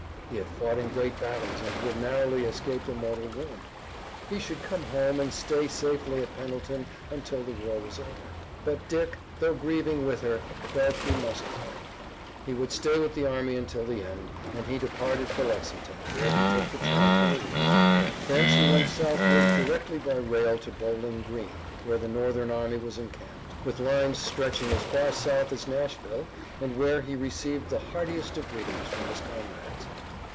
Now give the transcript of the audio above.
He had fought in great battles, and he had narrowly escaped a mortal wound. He should come home, and stay safely at Pendleton until the war was over. But Dick, though grieving with her, felt that he must go. He would stay with the army until the end, and he departed for Lexington, where he took the train for Louisville. Thence he went southward directly by rail to Bowling Green, where the Northern army was encamped, with lines stretching as far south as Nashville, and where he received the heartiest of greetings from his comrades.